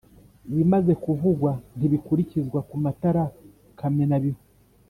Ibimaze kuvugwa ntibikurikizwa ku matara kamenabihu.